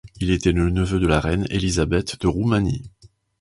Il était le neveu de la Reine Élisabeth de Roumanie.